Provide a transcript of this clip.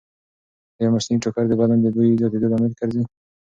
ایا مصنوعي ټوکر د بدن د بوی زیاتېدو لامل ګرځي؟